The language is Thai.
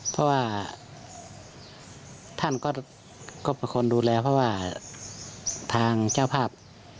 เพราะว่าท่านก็เป็นคนดูแลเพราะว่าทางเจ้าภาพ